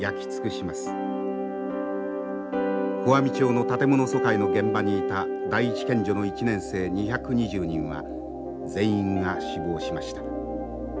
小網町の建物疎開の現場にいた第一県女の１年生２２０人は全員が死亡しました。